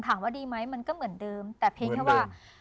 ถามว่าดีไหมมันก็เหมือนเดิมแต่เพียงแค่ว่า